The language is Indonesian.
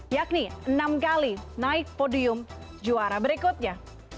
yakni enam kali naik podium juara berikutnya